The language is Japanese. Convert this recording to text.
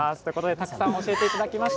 たくさん教えていただきました。